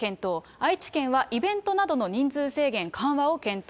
愛知県はイベントなどの人数制限緩和を検討。